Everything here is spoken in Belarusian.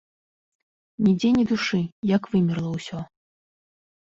Нідзе ні душы, як вымерла ўсё.